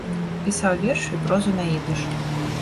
Пісаў вершы і прозу на ідыш.